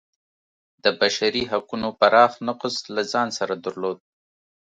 د بشري حقونو پراخ نقض له ځان سره درلود.